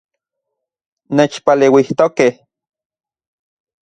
Nechpaleuijtokej